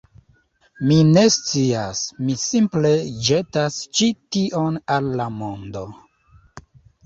Mi ne scias, mi simple ĵetas ĉi tion al la mondo